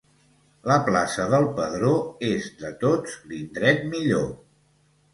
La plaça del Pedró és de tots l'indret millor.